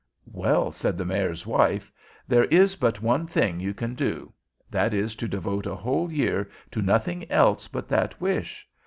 "Well," said the Mayor's wife, "there is but one thing you can do. That is, to devote a whole year to nothing else but that wish.